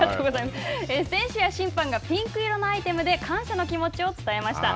選手や審判がピンクの色のアイテムで感謝の気持ちを伝えました。